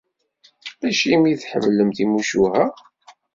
Acimi i tḥemmlem timucuha?